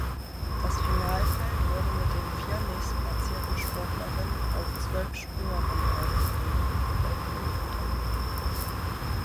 Das Finalfeld wurde mit den vier nächstplatzierten Sportlerinnen auf zwölf Springerinnen aufgefüllt (hellgrün unterlegt).